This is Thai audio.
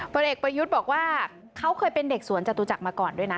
ผลเอกประยุทธ์บอกว่าเขาเคยเป็นเด็กสวนจตุจักรมาก่อนด้วยนะ